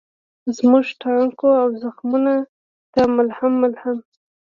زموږ تڼاکو او زخمونوته ملهم، ملهم